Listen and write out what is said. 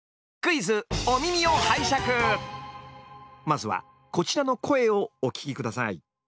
まずはこちらの声をお聞きください。